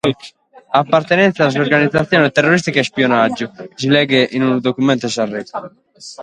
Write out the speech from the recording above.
«Apartenèntzia a un'organizatzione terrorìstica e ispionagiu», si leghet in su documentu de arrestu.